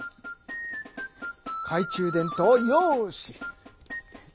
懐中電灯よし！